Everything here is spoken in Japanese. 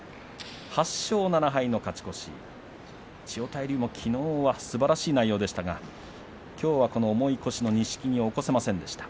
８勝７敗の勝ち越し千代大龍もきのうはすばらしい内容でしたがきょうはこの重い腰の錦木を起こせませんでした。